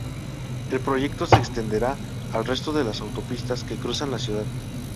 El proyecto se extenderá al resto de las autopistas que cruzan la Ciudad.